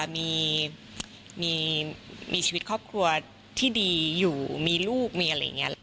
มีชีวิตครอบครัวที่ดีอยู่มีลูกมีอะไรอย่างนี้